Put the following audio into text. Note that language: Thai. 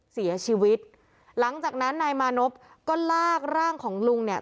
เสียชีวิตหลังจากนั้นนายมานพก็ลากร่างของลุงเนี่ย